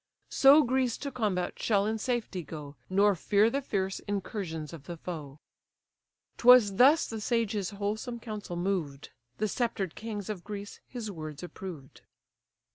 So Greece to combat shall in safety go, Nor fear the fierce incursions of the foe." 'Twas thus the sage his wholesome counsel moved; The sceptred kings of Greece his words approved.